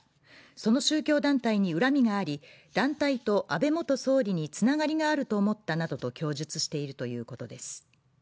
その宗教団体に恨みがあり団体と安倍元総理につながりがあると思ったなどと供述しているということです。